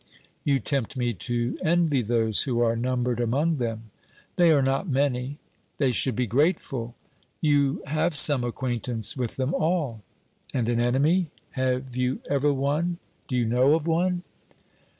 'You tempt me to envy those who are numbered among them.' 'They are not many.' 'They should be grateful!' 'You have some acquaintance with them all.' 'And an enemy? Had you ever one? Do you know of one?'